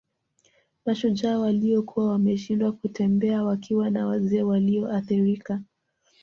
Mashujaa waliokuwa wameshindwa kutembea wakiwa na wazee walioathirika